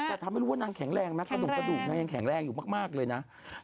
แต่ทำให้รู้ว่านางแข็งแรงไหมกระดูกกระดูกนางยังแข็งแรงอยู่มากเลยนะ